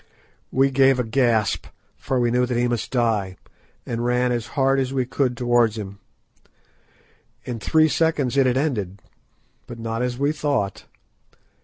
We gave a gasp, for we knew that he must die, and ran as hard as we could towards him. In three seconds it had ended, but not as we thought.